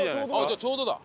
じゃあちょうどだ。